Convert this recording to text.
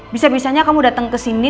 bisa bisanya kamu dateng kesini